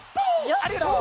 ありがとう！